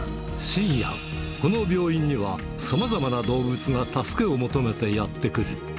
深夜、この病院には、さまざまな動物が助けを求めてやって来る。